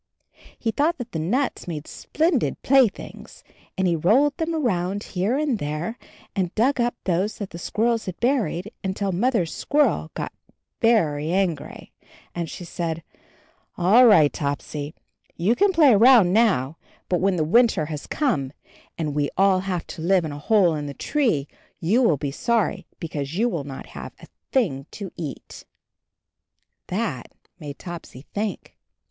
He thought that the nuts made splendid playthings, and he rolled them around here and there, and dug up those that the squirrels had buried, until Mother Squirrel got very angry; and she said, "All right, Topsy, you can play around now, but when the winter has come AND HIS KITTEN TOPSY 21 and we all have to live in a hole in the tree, you will be sorry, because you will not have a thing to eat." That made Topsy think.